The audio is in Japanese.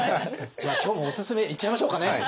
じゃあ今日もオススメいっちゃいましょうかね。